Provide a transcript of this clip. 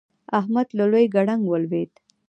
احمد له لوی ګړنګ ولوېد.